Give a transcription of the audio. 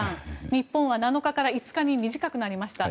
日本は７日から５日間に短くなりました。